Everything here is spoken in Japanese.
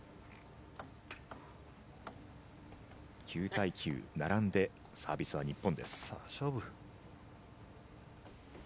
９対９で並んでサービスは日本。